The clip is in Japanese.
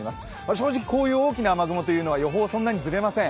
正直、こういう大きな雨雲は予報がそんなにずれません。